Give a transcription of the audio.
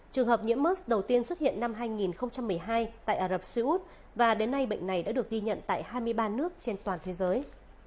trường hợp nhiễm mus đầu tiên xuất hiện năm hai nghìn một mươi hai tại ả rập xê út và đến nay bệnh này đã được ghi nhận tại hai mươi ba nước trên toàn thế giới